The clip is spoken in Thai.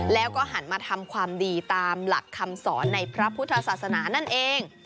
แล้วก็หันมาทำความดีตามหลักคำสอนในพระพุทธศาสนานั่นเอง